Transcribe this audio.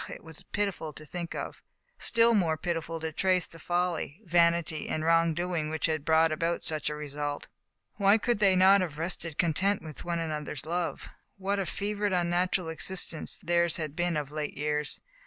it was pitiful to think of; still more pitiful to trace the folly, vanity, and wrong doing which had brought about such a result. Why could they not have rested content with one another's love. What a fevered, unnatural existence theirs had been of late years.